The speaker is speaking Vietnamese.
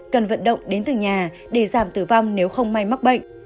cần vận động đến từng nhà để giảm tử vong nếu không may mắc bệnh